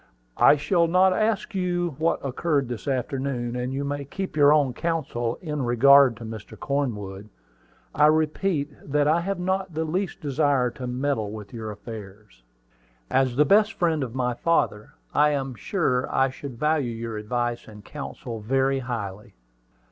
"I shall not even ask you what occurred this afternoon; and you may keep your own counsel in regard to Mr. Cornwood. I repeat that I have not the least desire to meddle with your affairs." "As the best friend of my father, I am sure I should value your advice and counsel very highly."